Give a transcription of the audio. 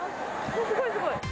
すごい、すごい！